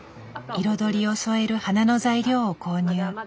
彩りを添える花の材料を購入。